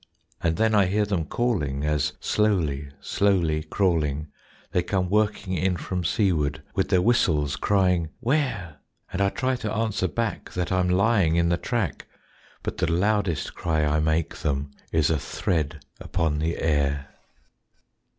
And then I hear them calling, As slowly, slowly crawling They come working in from seaward With their whistles crying where? And I try to answer back That I'm lying in the track; But the loudest cry I make them Is a thread upon the air.